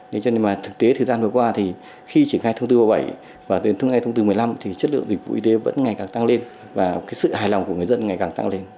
nên cho nên mà thực tế thời gian vừa qua thì khi triển khai thông tư ba mươi bảy và đến ngay thông tư một mươi năm thì chất lượng dịch vụ y tế vẫn ngày càng tăng lên và cái sự hài lòng của người dân ngày càng tăng lên